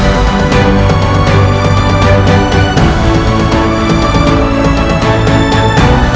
tapi menjadi someone serta memberikan peluang untuk ia